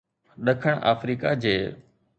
ڏکڻ آفريڪا جي